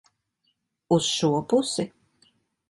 Uz šo pusi?